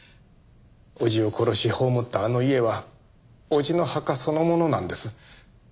叔父を殺し葬ったあの家は叔父の墓そのものなんです。